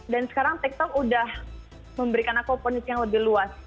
dan sekarang tiktok udah memberikan aku ponit yang lebih luas